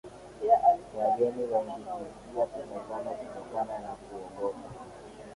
Wageni wengi huishia kutazama kutokana na kuogopa